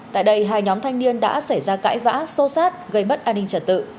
tại đây hai nhóm thanh niên đã xảy ra cãi vã xô xát gây mất an ninh trật tự